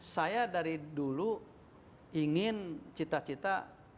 saya dari dulu ingin cita cita